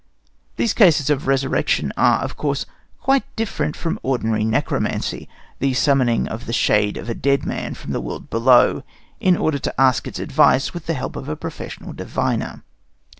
These cases of resurrection are, of course, quite different from ordinary necromancy the summoning of the shade of a dead man from the world below, in order to ask its advice with the help of a professional diviner.